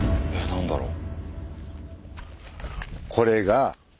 何だろう。